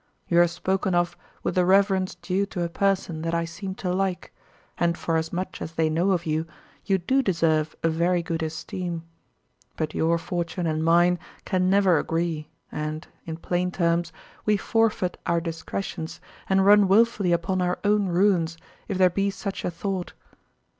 You are spoken of with the reverence due to a person that I seem to like, and for as much as they know of you, you do deserve a very good esteem; but your fortune and mine can never agree, and, in plain terms, we forfeit our discretions and run wilfully upon our own ruins if there be such a thought.